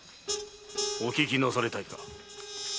お聞きなされたいか？